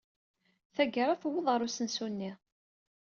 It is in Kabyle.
Tagara, tewweḍ ɣer usensu-nni.